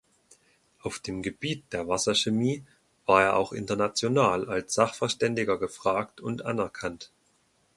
Auf dem Gebiet der Wasserchemie war er auch international als Sachverständiger gefragt und anerkannt.